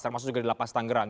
termasuk juga di lapas tangerang